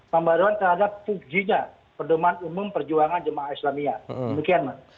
pembaruan terhadap pujinya perdomaan umum perjuangan jamaah islamiyah demikian